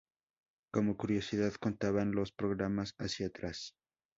Como curiosidad, contaban los programas hacia atrás.